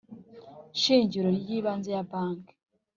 Shingiro y ibanze ya banki